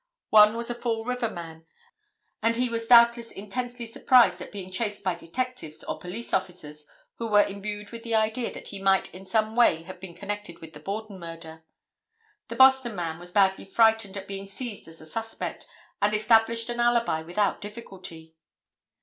One was a Fall River man, and he was doubtless intensely surprised at being chased by detectives and police officers who were imbued with the idea that he might in some way have been connected with the Borden murder. The Boston man was badly frightened at being seized as a suspect, and established an alibi without difficulty.